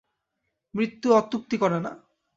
মৃত্যু অত্যুক্তি করে না।